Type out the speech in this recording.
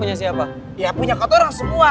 ya punya katorang semua